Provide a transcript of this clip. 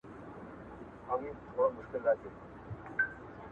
د کندهار سواد اموزي عمومي مدیریت